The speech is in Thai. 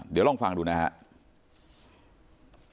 เดี๋ยวลองฟังดูนะฮะ